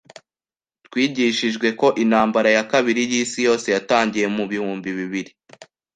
Twigishijwe ko Intambara ya Kabiri y'Isi Yose yatangiye mu bihumbi bibiri.